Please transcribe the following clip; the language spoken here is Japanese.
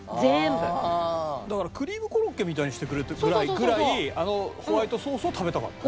だからクリームコロッケみたいにしてくれてぐらいあのホワイトソースを食べたかった。